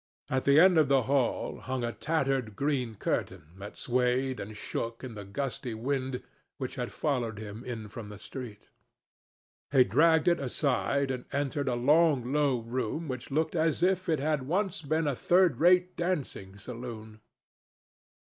At the end of the hall hung a tattered green curtain that swayed and shook in the gusty wind which had followed him in from the street. He dragged it aside and entered a long low room which looked as if it had once been a third rate dancing saloon.